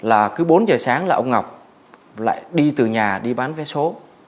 hơn nữa về mỗi buổi sáng là cứ bốn giờ sáng là ông ngọc lại đi từ nhà đi bán vé số